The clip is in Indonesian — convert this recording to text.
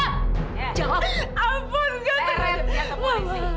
saya rancang dia ke polisi